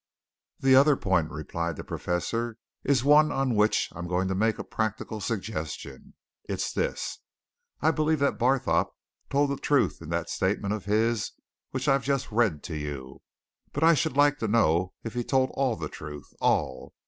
"The other point," replied the Professor, "is one on which I am going to make a practical suggestion. It's this I believe that Barthorpe told the truth in that statement of his which I've just read to you, but I should like to know if he told all the truth all!